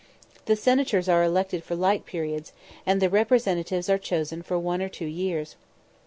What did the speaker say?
The Senators are elected for like periods, and the Representatives are chosen for one or two years.